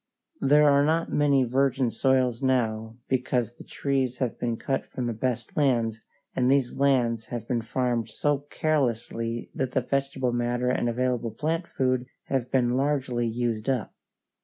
There are not many virgin soils now because the trees have been cut from the best lands, and these lands have been farmed so carelessly that the vegetable matter and available plant food have been largely used up.